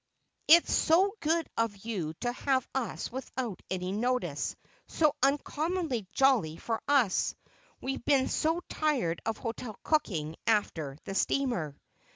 "It's so good of you to have us without any notice—so uncommonly jolly for us. We've been so tired of hotel cooking, after the steamer."